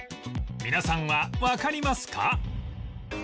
皆さんはわかりますか？